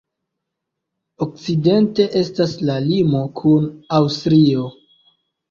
Okcidente estas la limo kun Aŭstrio.